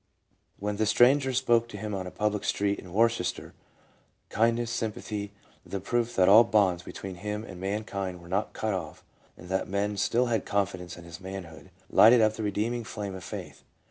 When the stranger spoke to him on a public street in "Worcester, kindness, sympathy, the proof that all bonds between him and mankind were not cut off, and that men still had confidence in his manhood, lighted up the redeeming flame of Faith.